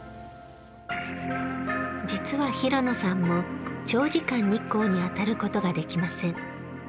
実は平野さんも、長時間日光に当たることができません。